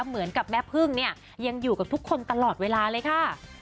เหมือนกับแม่พึ่งเนี่ยยังอยู่กับทุกคนตลอดเวลาเลยค่ะ